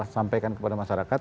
sampaikan kepada masyarakat